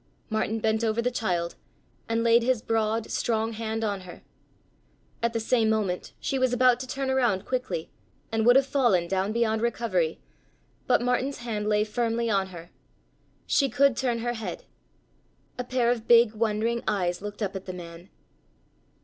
Martin bent over the child and laid his broad, strong hand on her. At the same moment she was about to turn around quickly and would have fallen down beyond recovery, but Martin's hand lay firmly on her. She could turn her head. A pair of big, wondering eyes looked up at the man.